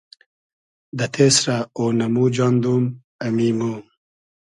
دۂ تېسرۂ اۉنئمو جاندوم ، امی مۉ